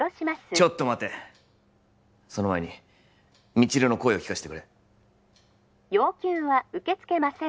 ちょっと待てその前に未知留の声を聞かせてくれ☎要求は受け付けません